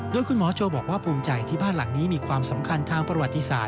โดยคุณหมอโจบอกว่าภูมิใจที่บ้านหลังนี้มีความสำคัญทางประวัติศาส